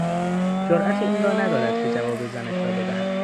جرات این را ندارد که جواب زنش را بدهد.